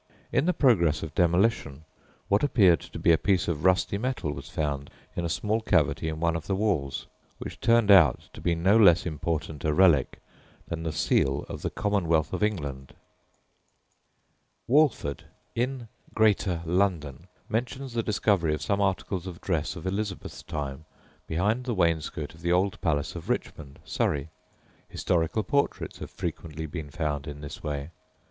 In the progress of demolition what appeared to be a piece of rusty metal was found in a small cavity in one of the walls, which turned out to be no less important a relic than the seal of the Commonwealth of England. Walford, in Greater London, mentions the discovery of some articles of dress of Elizabeth's time behind the wainscot of the old palace of Richmond, Surrey. Historical portraits have frequently been found in this way.